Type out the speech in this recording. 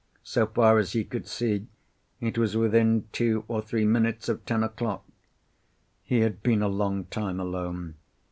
So far as he could see, it was within two or three minutes of ten o'clock. He had been a long time alone.